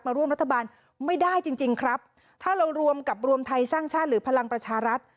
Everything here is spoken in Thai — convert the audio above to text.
ร่วมรัฐบาลไม่ได้จริงจริงครับถ้าเรารวมกับรวมไทยสร้างชาติหรือพลังประชารัฐ